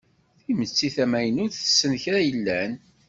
Timetti tamaynut tessen kra yellan.